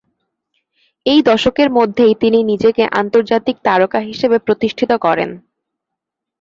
এই দশকের মধ্যেই তিনি নিজেকে আন্তর্জাতিক তারকা হিসেবে প্রতিষ্ঠিত করেন।